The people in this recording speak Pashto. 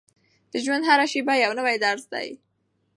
د ژوند هره شېبه یو نوی درس دی.